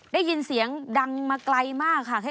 ได้ยินเสียงดังมาไกลมากค่ะ